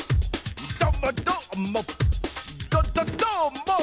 「どもどーもどどどーも！」